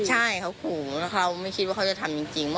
ใช่เขาขู่แล้วเขาไม่คิดว่าเขาจะทำจริง